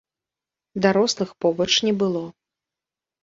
Дарослых побач не было.